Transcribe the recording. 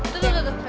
tuh tuh tuh oke